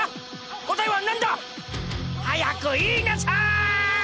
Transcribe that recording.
答えはなんだ⁉早く言いなさい！